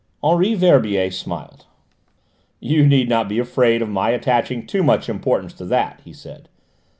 Henri Verbier smiled. "You need not be afraid of my attaching too much importance to that," he said.